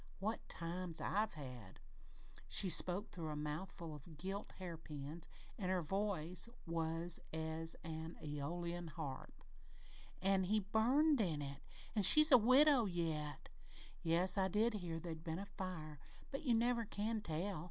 What times I've had!" She spoke through a mouthful of gilt hairpins and her voice was as an Æolian harp. "An' he burned in it an' she's a widow yet! Yes, I did hear there'd been a fire, but you never can tell.